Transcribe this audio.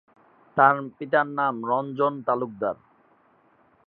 তার পিতার নাম রঞ্জন তালুকদার।